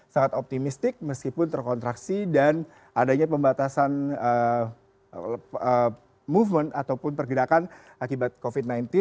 sangat optimistik meskipun terkontraksi dan adanya pembatasan movement ataupun pergerakan akibat covid sembilan belas